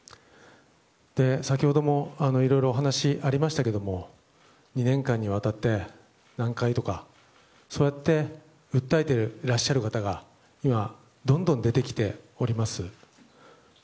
先ほどもいろいろお話がありましたが２年間にわたって何回とかそうやって訴えてらっしゃる方が今、どんどん出てきております。